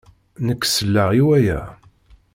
Nekk selleɣ i waya.